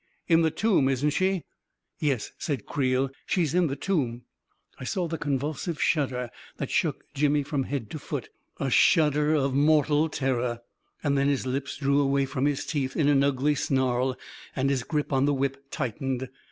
In the tomb, isn't she? "" Yes," said Creel; " she's in the tomb." I saw the convulsive shudder that shook Jimmy from head to foot* — a shudder of mortal terror. Then his lips drew away from his teeth in an ugly snarl, and his grip on the whip tightened.